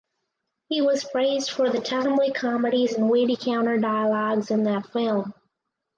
He was praised for the timely comedies and witty counter dialogues in that film.